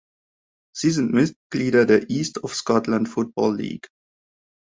Sie sind Mitglieder der East of Scotland Football League.